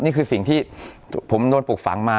นี่คือสิ่งที่ผมโดนปลูกฝังมา